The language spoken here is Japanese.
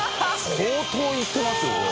相当いってますよこれ。）